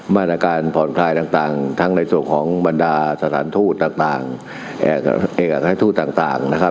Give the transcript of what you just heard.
มาตรการผ่อนคลายต่างทั้งในส่วนของบรรดาสถานทูตต่างเอกให้ทูตต่างนะครับ